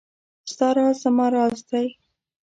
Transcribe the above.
ستا راز زما راز دی .